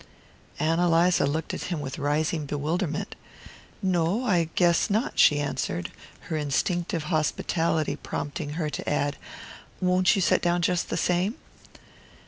Ann Eliza looked at him with rising bewilderment. "No, I guess not," she answered; her instinctive hospitality prompting her to add: "Won't you set down jest the same?"